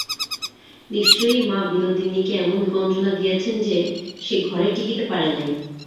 নিশ্চয়ই মা বিনোদিনীকে এমন গঞ্জনা দিয়াছেন যে, সে ঘরে টিকিতে পারে নাই।